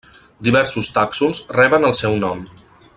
Diversos tàxons reben el seu nom.